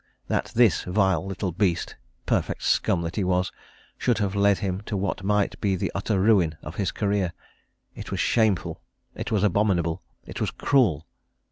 that this vile little beast, perfect scum that he was, should have led him to what might be the utter ruin of his career! it was shameful, it was abominable, it was cruel!